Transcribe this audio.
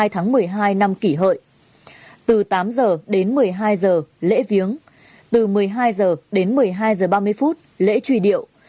tháng một mươi hai năm kỷ hợi từ tám h đến một mươi hai h lễ viếng từ một mươi hai h đến một mươi hai h ba mươi lễ truy điệu